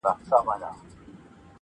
چي زه دي ساندي اورېدلای نه سم -